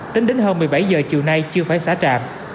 tính đến hơn một mươi bảy h chiều nay chưa phải xả trạm